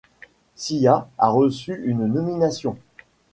Sia a reçu une nomination.